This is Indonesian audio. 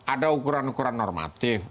ada ukuran ukuran normatif